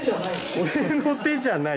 俺の手じゃない？